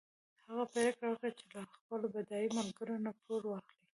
هغه پرېکړه وکړه چې له خپل بډای ملګري نه پور واخلي.